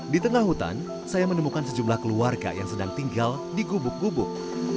di tengah hutan saya menemukan sejumlah keluarga yang sedang tinggal di gubuk gubuk